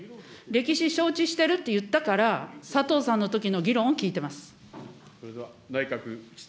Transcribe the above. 歴史承知してるって言ったから、佐藤さんのときの議論を聞いてます。